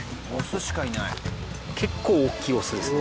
結構大きいオスですね。